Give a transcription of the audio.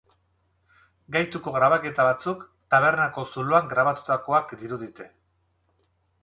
Gaituko grabaketa batzuk tabernako zuloan grabatutakoak dirudite.